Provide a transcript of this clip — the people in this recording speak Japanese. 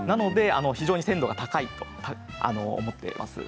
鮮度が高いと思っています。